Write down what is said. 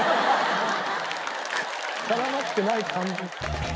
絡まってない感じ。